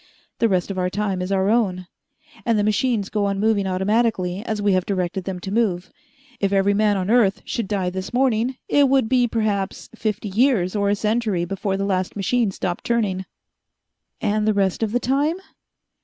The rest of our time is our own, and the machines go on moving automatically as we have directed them to move. If every man on earth should die this morning, it would be perhaps fifty years or a century before the last machine stopped turning." "And the rest of the time?"